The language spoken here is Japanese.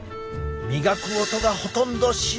磨く音がほとんどしない。